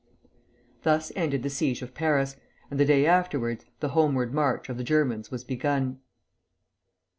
Thus ended the siege of Paris, and the day afterwards the homeward march of the Germans was begun.